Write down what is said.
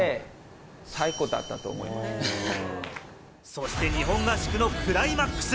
そして日本合宿のクライマックス。